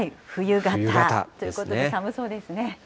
冬型ということで、寒そうですね。